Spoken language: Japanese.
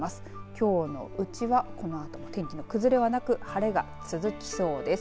きょうのうちはこのあと天気の崩れはなく晴れが続きそうです。